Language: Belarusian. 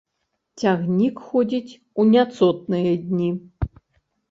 Цягнік ходзіць у няцотныя дні.